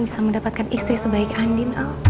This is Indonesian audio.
bisa mendapatkan istri sebaik andin